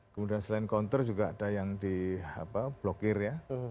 kemudian selain counter juga ada yang di blokir ya